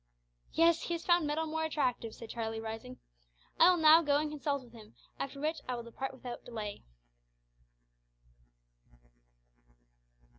"Yes, he has found `metal more attractive,'" said Charlie, rising. "I will now go and consult with him, after which I will depart without delay."